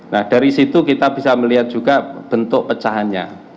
nah dari situ kita bisa melihat juga bentuk pecahannya